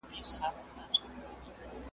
ښکلي په دې ښار کي څوک د زړونو په غلا نه نیسي .